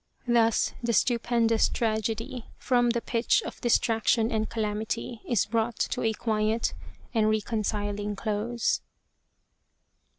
Thus the stupendous tragedy, from the pitch of dis traction and calamity, is brought to a quiet and reconciling close.